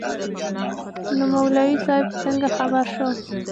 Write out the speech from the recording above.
نو مولوي صاحب څنگه خبر سو.